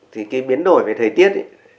thì cái biến đổi về thời tiết